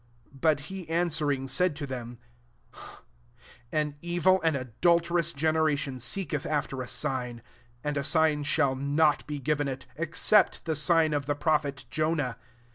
39 But he answering said to them, " An evil and adulterous gene ration seeketh after a sign ; and a sign shall not be given it, except the sign of the prophet Jonah.